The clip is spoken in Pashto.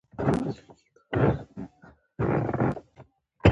شوروا به پخېږي او دده په کور کې به هېڅ شی نه وي.